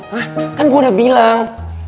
hah kan gue udah bilang